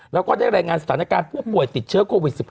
แล้วก็ได้รายงานสถานการณ์ผู้ป่วยติดเชื้อโควิด๑๙